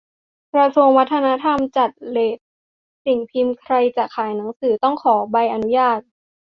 กระทรวงวัฒนธรรม 'จัดเรต' สิ่งพิมพ์ ใครจะขายหนังสือต้องขอใบอนุญาต